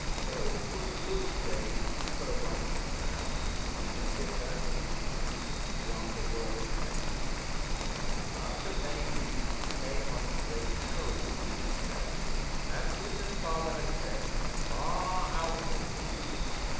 Those were good days for a wifeless man with Witta and his heathen beyond the world's end. ... After many weeks we came on the great Shoal which stretched, as Witta's father had said, far out to sea.